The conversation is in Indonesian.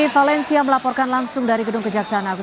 valencia melaporkan langsung dari gedung kejaksaan agung